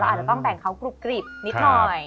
อาจจะต้องแบ่งเขากรุบกริบนิดหน่อย